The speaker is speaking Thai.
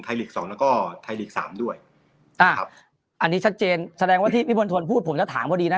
ไทยฤทธิ์๒แล้วก็ไทยฤทธิ์๓ด้วยครับอันนี้ชัดเจนแสดงว่าที่พี่พลทนพูดผมจะถามพอดีนะ